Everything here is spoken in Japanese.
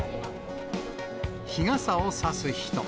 日傘を差す人。